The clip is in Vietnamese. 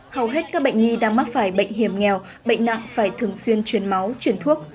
hầu hết các bệnh nhi đang mắc phải bệnh hiểm nghèo bệnh nặng phải thường xuyên chuyển máu chuyển thuốc